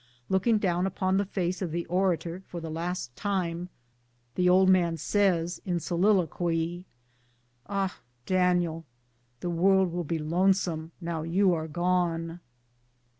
Looking down upon the face of tlio orator for the last time, the old man says, in solilo quy, "Ah, Daniel, the world will be lonesome now you arc gone